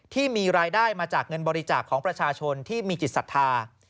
ที่มีรายได้มาจากเงินบริจาคของประชาชนที่มีจิตศรัทธา